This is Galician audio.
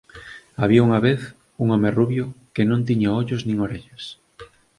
Había unha vez un home rubio que non tiña ollos nin orellas.